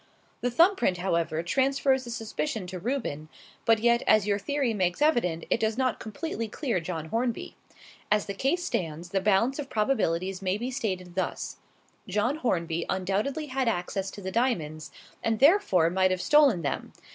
The thumb print, however, transfers the suspicion to Reuben; but yet, as your theory makes evident, it does not completely clear John Hornby. As the case stands, the balance of probabilities may be stated thus: John Hornby undoubtedly had access to the diamonds, and therefore might have stolen them.